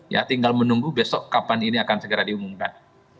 ya tinggal menunggu besok kapan ini akan segera diumumkan